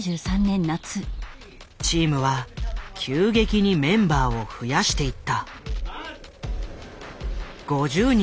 チームは急激にメンバーを増やしていった。